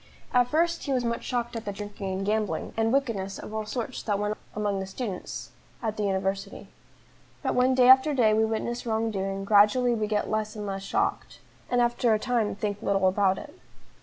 At first he was much shocked at the drinking and gambling, and wickedness of all sorts that went on among the students at the university. But when day after day we witness wrong doing, gradually we get less and less shocked, and after a time think little about it.